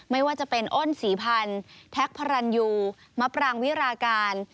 ไม่ว่าจะเป็นอ้นศรีพันธ์แท็กพระรันยูมะปรางวิราการ